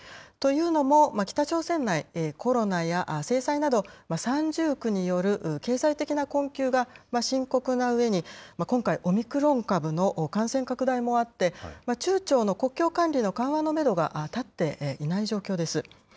というのも、北朝鮮内、コロナや制裁など、三重苦による経済的な困窮が深刻なうえに、今回、オミクロン株の感染拡大もあって、中朝の国境管理の緩和のメドが立っていない状況です。